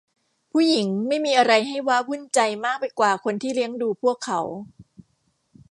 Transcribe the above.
ผู้หญิงไม่มีอะไรให้ว้าวุ่นใจมากไปกว่าคนที่เลี้ยงดูพวกเขา